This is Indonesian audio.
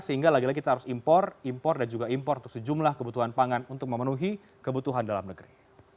sehingga lagi lagi kita harus impor impor dan juga impor untuk sejumlah kebutuhan pangan untuk memenuhi kebutuhan dalam negeri